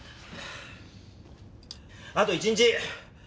あと１日。